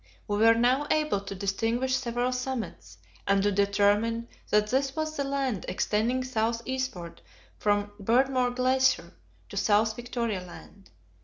We were now able to distinguish several summits, and to determine that this was the land extending south eastward from Beardmore Glacier in South Victoria Land.